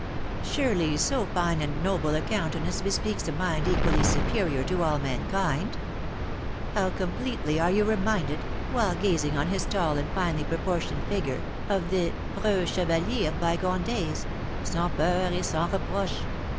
Surely so fine and noble a countenance bespeaks a mind equally superior to all mankind. How completely are you reminded, while gazing on his tall and finely proportioned figure, of the preux chevaliers of bygone days,'sans peur et sans reproche.'